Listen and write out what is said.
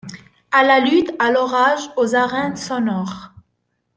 A la lutte, à l'orage, aux arènes sonores